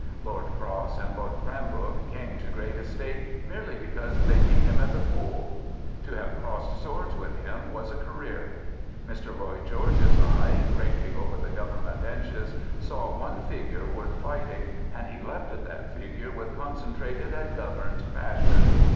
Lord Cross and Lord Cranbrook came to great estate merely because they beat him at the poll. To have crossed swords with him was a career. Mr. Lloyd George's eye, ranging over the Government benches, saw one figure worth fighting, and he leapt at that figure with concentrated and governed passion.